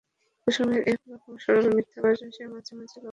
কুসুমের এরকম সরল মিথ্যাভাষণ সে মাঝে মাঝে লক্ষ করিয়াছে।